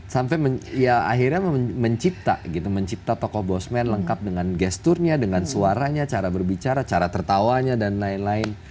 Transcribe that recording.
sampai ya akhirnya mencipta gitu mencipta tokoh bosman lengkap dengan gesturnya dengan suaranya cara berbicara cara tertawanya dan lain lain